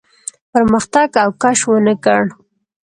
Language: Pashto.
پرمختګ او کش ونه کړ.